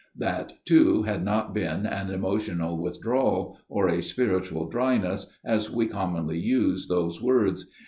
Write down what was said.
That, too, had not been an emotional withdrawal, or a spiritual dryness, as we commonly use those words.